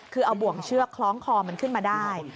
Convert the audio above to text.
คือเอาบ่วงเชือกคล้องคอมันขึ้นมาได้